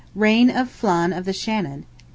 REIGN OF FLAN "OF THE SHANNON" (A.D.